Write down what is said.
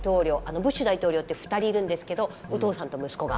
ブッシュ大統領って２人いるんですけどお父さんと息子が。